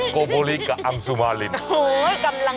โกโบลิกับอัมซูมาริน